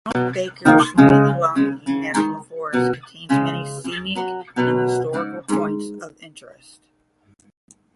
The Mount Baker-Snoqualmie National Forest contains many scenic and historical points of interest.